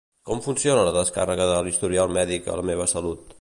Com funciona la descàrrega de l'historial mèdic a La meva Salut?